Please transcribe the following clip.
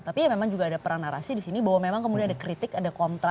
tapi memang juga ada perang narasi di sini bahwa memang kemudian ada kritik ada kontra